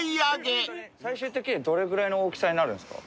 最終的にはどれぐらいの大きさになるんすか？